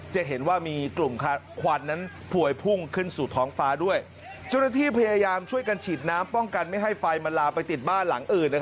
จะเห็นว่ามีกลุ่มควันนั้นผวยพุ่งขึ้นสู่ท้องฟ้าด้วยเจ้าหน้าที่พยายามช่วยกันฉีดน้ำป้องกันไม่ให้ไฟมันลามไปติดบ้านหลังอื่น